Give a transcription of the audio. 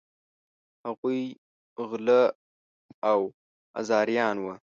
هغوی غله او آزاریان وه.